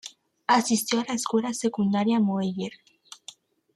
Asistió a la Escuela Secundaria Moeller.